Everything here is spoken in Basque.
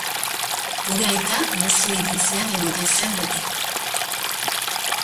Gure aita luze iritzian egoten zen beti.